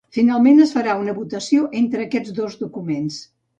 Finalment, es farà una votació entre aquests dos documents.